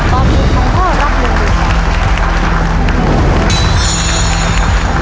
ตอบถูกของข้อลักษณ์หนึ่งหลายบาท